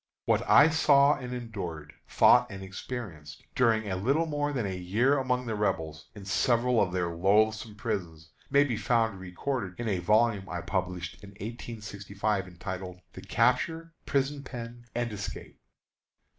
What I saw and endured, thought and experienced, during a little more than a year among the Rebels, in several of their loathsome prisons, may be found recorded in a volume I published in 1865, entitled "The Capture, Prison Pen, and Escape."